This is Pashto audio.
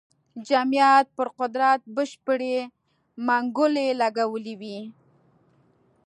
جمعیت پر قدرت بشپړې منګولې لګولې وې.